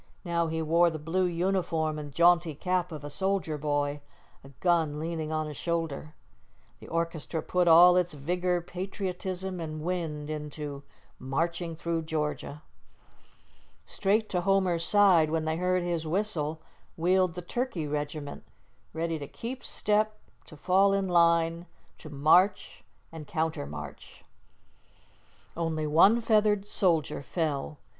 Now he wore the blue uniform and jaunty cap of a soldier boy; a gun leaned on his shoulder. The orchestra put all its vigor, patriotism, and wind into "Marching through Georgia." Straight to Homer's side when they heard his whistle, wheeled the turkey regiment, ready to keep step, to fall in line, to march and countermarch. Only one feathered soldier fell.